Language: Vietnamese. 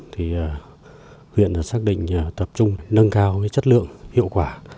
thì huyện đã xác định tập trung nâng cao với chất lượng hiệu quả